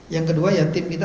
yang kedua ya tim kita